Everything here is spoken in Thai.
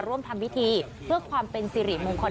ร่วมทำพิธีเพื่อความเป็นสิริมงคล